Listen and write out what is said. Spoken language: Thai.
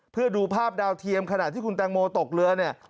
เพื่อดูภาพดาวเทียมขณะที่คุณแตงโมตกเรือเนี่ย